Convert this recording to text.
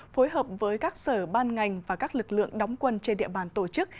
phối hợp với các sở ban ngành và các lực lượng đóng quân trên địa bàn tổ chức